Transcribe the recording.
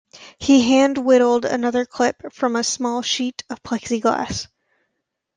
He hand-whittled another clip from a small sheet of Plexiglas.